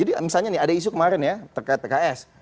jadi misalnya nih ada isu kemarin ya tks